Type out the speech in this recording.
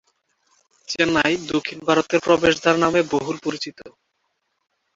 চেন্নাই "দক্ষিণ ভারতের প্রবেশদ্বার" নামে বহুল পরিচিত।